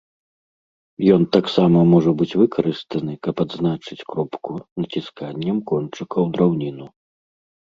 Ён таксама можа быць выкарыстаны, каб адзначыць кропку націсканнем кончыка ў драўніну.